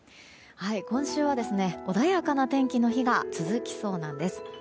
今週は、穏やかな天気の日が続きそうなんです。